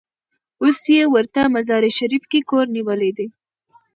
اوس یې ورته مزار شریف کې کور نیولی دی.